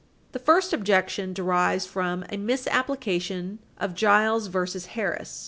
The first objection derives from a misapplication of Giles v. Harris, 189 U. S.